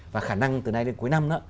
và khả năng từ nay đến cuối năm đó